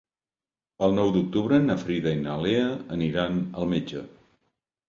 El nou d'octubre na Frida i na Lea aniran al metge.